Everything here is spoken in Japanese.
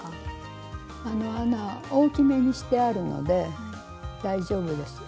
あの穴大きめにしてあるので大丈夫です。